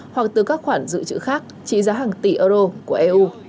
hoặc từ các khoản dự trữ khác trị giá hàng tỷ euro của eu